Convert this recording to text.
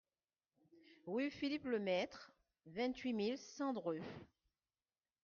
Rue Philippe Lemaître, vingt-huit mille cent Dreux